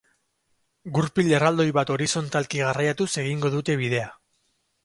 Gurpil erraldoi bat horizontalki garraiatuz egingo dute bidea.